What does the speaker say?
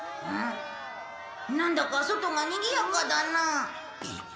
なんだか外がにぎやかだな。